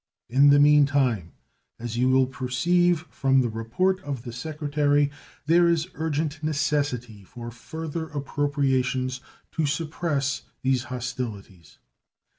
In the mean time, as you will perceive from the report of the Secretary, there is urgent necessity for further appropriations to suppress these hostilities.